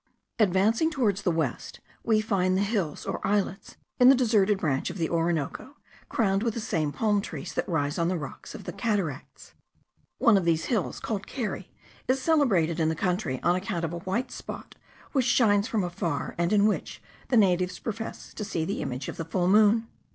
Advancing towards the west, we find the hills or islets in the deserted branch of the Orinoco crowned with the same palm trees that rise on the rocks of the cataracts. One of these hills, called Keri, is celebrated in the country on account of a white spot which shines from afar, and in which the natives profess to see the image of the full moon.